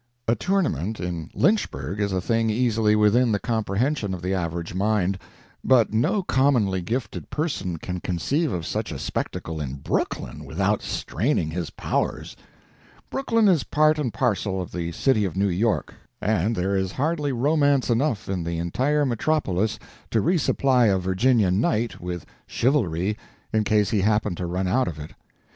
A "tournament" in Lynchburg is a thing easily within the comprehension of the average mind; but no commonly gifted person can conceive of such a spectacle in Brooklyn without straining his powers. Brooklyn is part and parcel of the city of New York, and there is hardly romance enough in the entire metropolis to re supply a Virginia "knight" with "chivalry," in case he happened to run out of it.